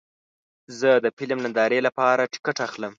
زه د فلم نندارې لپاره ټکټ اخلم.